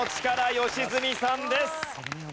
良純さんです。